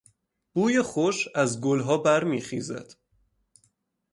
بوی خوش از گلها برمیخیزد.